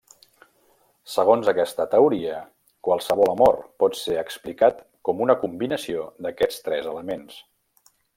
Segons aquesta teoria, qualsevol amor pot ser explicat com una combinació d'aquests tres elements.